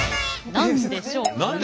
何でしょうって。